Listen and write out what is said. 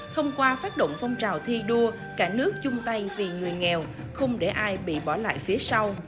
thông qua phát động phong trào thi đua cả nước chung tay vì người nghèo không để ai bị bỏ lại phía sau